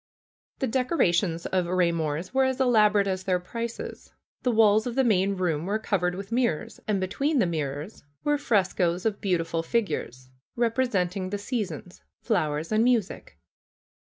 The decorations of Eaymor's were as elaborate as their prices. The walls of the main room were covered with mirrors, and between the mirrors were frescoes of beautiful figures, representing the seasons, fiowers and music.